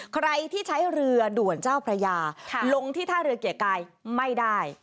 ใครที่ใช้เรือด่วนเจ้าพระยาลงที่ท่าเรือเกียรติกายไม่ได้